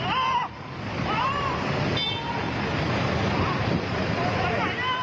เยี่ยมมากครับ